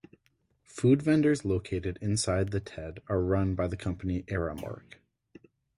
Food vendors located inside the Ted are run by the company Aramark.